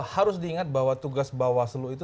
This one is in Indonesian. harus diingat bahwa tugas bawaslu itu